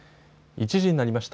１時になりました。